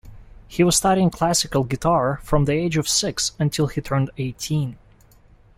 He was studying classical guitar from the age of six until he turned eighteen.